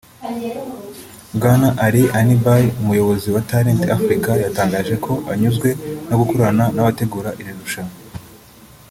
Bwana Aly Allibhai umuyobozi wa Talent Africa yatangaje ko anyuzwe no gukorana n’abategura iri rushanwa